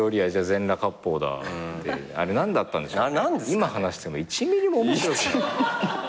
今話しても１ｍｍも面白くない。